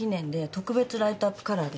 特別ライトアップカラー？